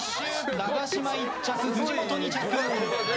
永島１着、藤本２着。